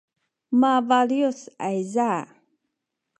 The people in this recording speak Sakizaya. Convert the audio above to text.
mabaliyus ayza